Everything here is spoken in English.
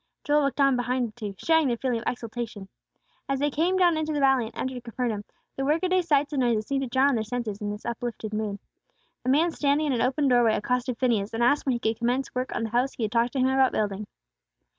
Joel walked on behind the two, sharing their feeling of exaltation. As they came down into the valley and entered Capernaum, the work a day sights and noises seemed to jar on their senses, in this uplifted mood. A man standing in an open doorway accosted Phineas, and asked when he could commence work on the house he had talked to him about building.